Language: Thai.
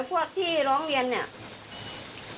พวกที่ร้องเรียนเนี่ย